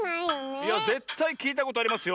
いやぜったいきいたことありますよ。